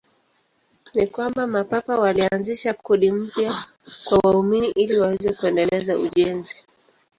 Ni kwamba Mapapa walianzisha kodi mpya kwa waumini ili waweze kuendeleza ujenzi.